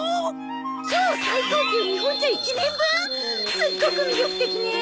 すっごく魅力的ね！